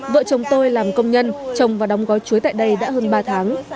vợ chồng tôi làm công nhân trồng và đóng gói chuối tại đây đã hơn ba tháng